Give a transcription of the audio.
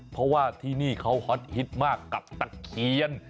เพราะว่าที่นี่เขาฮอตฮิตมากกับตะเคียน